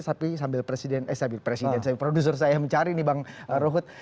tapi sambil presiden eh sambil presiden sambil produser saya mencari nih bang ruhut